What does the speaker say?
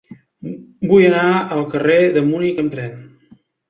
Vull anar al carrer de Munic amb tren.